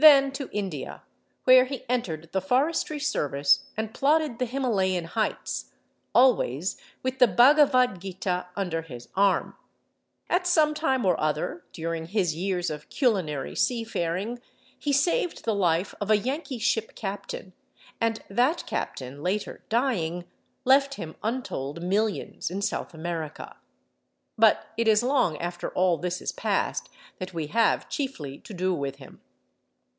Then to India, where he entered the forestry service and plodded the Himalayan heights, always with the Bhagavad Gītā under his arm. At some time or other, during his years of culinary seafaring, he saved the life of a Yankee ship captain, and that captain, later dying, left him untold millions in South America. But it is long after all this is past that we have chiefly to do with him.